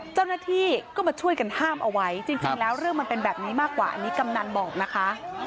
เจ้าหน้าที่ก็มาช่วยกันห้ามเอาไว้จริงแล้วเรื่องมันเป็นแบบนี้มากกว่าอันนี้กำนันบอกนะคะ